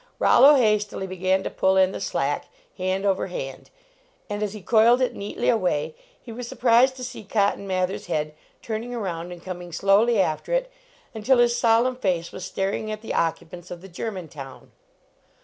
Rollo hastily began to pull in the slack, hand over hand, and as he coiled it neatly away he was surprised to see Cotton Mather s head turning around and coming slowly after it, until his solemn face was staring at the occupants of the Germantown.